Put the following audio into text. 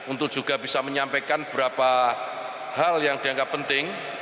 untuk juga bisa menyampaikan beberapa hal yang dianggap penting